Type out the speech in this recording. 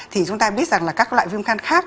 thì chúng ta biết rằng là các loại viêm khan khác